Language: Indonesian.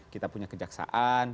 kita punya kejaksaan